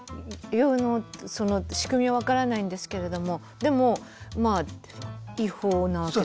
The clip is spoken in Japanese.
あのその仕組みは分からないんですけれどもでもまあ違法なわけですよね。